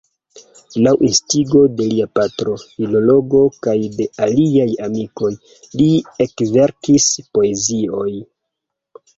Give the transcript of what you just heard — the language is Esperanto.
Laŭ instigo de lia patro, filologo, kaj de aliaj amikoj, li ekverkis poezion.